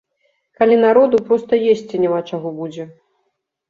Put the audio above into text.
Калі народу проста есці няма чаго будзе.